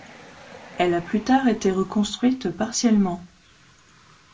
Elle a plus tard été reconstruite partiellement.